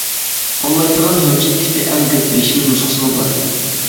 قوللايدىغان ھۆججەت تىپى ئەڭ كۆپ، يېشىل نۇسخىسىمۇ بار.